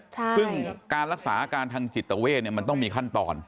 ซึ่งการรักษาอาการทางจิตเวทมันต้องมีขั้นตอน